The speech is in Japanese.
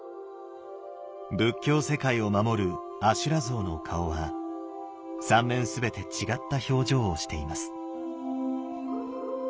仏教世界を守る阿修羅像の顔は三面全て違った表情をしています。